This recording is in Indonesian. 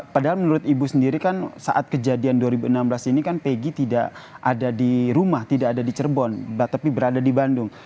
padahal menurut ibu sendiri kan saat kejadian dua ribu enam belas ini kan peggy tidak ada di rumah tidak ada di cirebon tapi berada di bandung